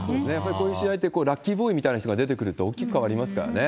こういう試合って、ラッキーボーイみたいな人が出てくると大きく変わりますからね。